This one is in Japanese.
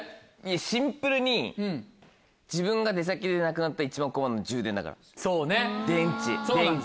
シンプルに自分が出先でなくなったら一番困るの充電だから電池電気。